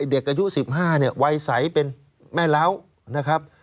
เด็กอายุ๑๕เนี่ยวัยใสเป็นแม่เล้านะครับ